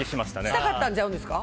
したかったんちゃうんですか？